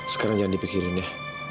sekarang jangan dipikirin ya